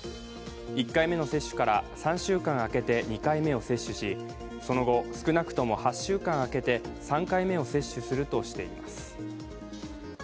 １回目の接種から３週間あけて２回目を接種し、その後、少なくとも８週間空けて３回目を接種するとしています。